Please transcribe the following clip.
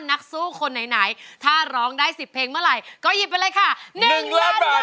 นักสู้คนไหนถ้าร้องได้๑๐เพลงเมื่อไหร่ก็หยิบไปเลยค่ะ๑ล้านบาท